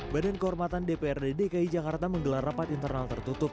badan kehormatan dprd dki jakarta menggelar rapat internal tertutup